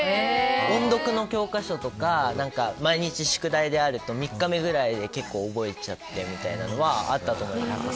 音読の教科書とか毎日宿題であると３日目ぐらいで結構覚えちゃってとかはありました。